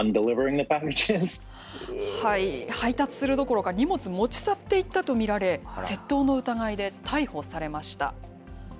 配達するどころか、荷物、持ち去っていったと見られ、窃盗の疑いで逮捕されました。